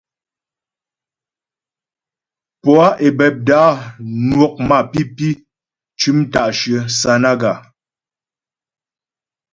Poâ Ebebda nwɔk mapǐpi cʉm ta'shyə Sánaga.